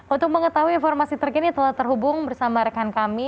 untuk mengetahui informasi terkini telah terhubung bersama rekan kami